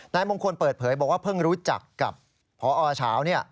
นายมงคลเปิดเผยบอกว่าเพิ่งรู้จักกับพอเช้า